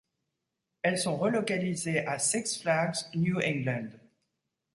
Elles sont relocalisées à Six Flags New England.